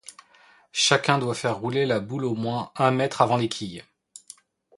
Chacun doit faire rouler la boule au moins un mètre avant les quilles.